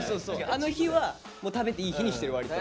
あの日は食べていい日にしてるわりと。